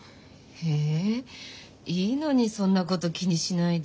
えぇいいのにそんなこと気にしないで。